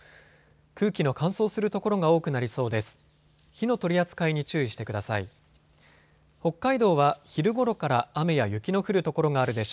空気の乾燥する所が多くなりそうです。